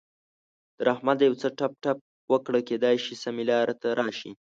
تر احمد يو څه ټپ ټپ وکړه؛ کېدای شي سمې لارې ته راشي.